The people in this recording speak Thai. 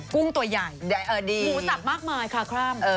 กุ้งตัวใหญ่หมูสับมากมายคาคร่ำ